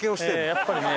やっぱりね。